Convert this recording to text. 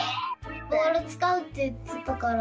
ボールつかうっていってたから。